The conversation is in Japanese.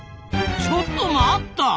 ちょっと待った！